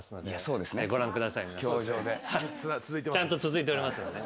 ちゃんと続いておりますんで。